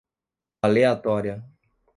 aleatória